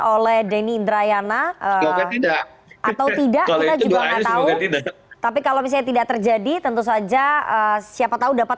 oleh deni indrayana tidak atau tidak tapi kalau misalnya tidak terjadi tentu saja siapa tahu dapat